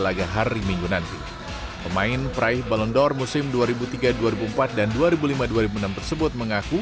laga hari minggu nanti pemain peraih balon door musim dua ribu tiga dua ribu empat dan dua ribu lima dua ribu enam tersebut mengaku